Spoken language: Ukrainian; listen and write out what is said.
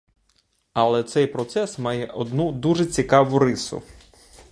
Але цей процес має одну дуже цікаву рису.